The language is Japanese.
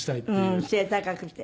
背高くして。